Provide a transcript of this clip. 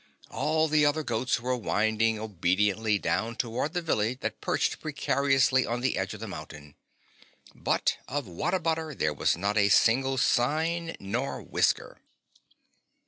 All the other goats were winding obediently down toward the village that perched precariously on the edge of the mountain. But of What a butter there was not a single sign nor whisker.